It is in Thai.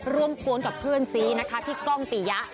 กวนกับเพื่อนซีนะคะพี่ก้องปียะ